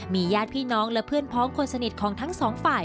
ญาติพี่น้องและเพื่อนพ้องคนสนิทของทั้งสองฝ่าย